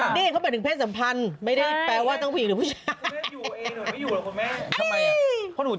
อย่างนี้เขาบอกถึงเพศสัมพันธ์